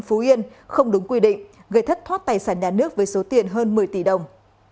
phú yên không đúng quy định gây thất thoát tài sản nhà nước với số tiền hơn một mươi tỷ đồng